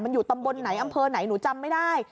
มันอยู่ตำบลไหนอำเภอไหนหนูจำไม่ได้